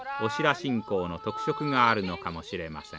信仰の特色があるのかもしれません。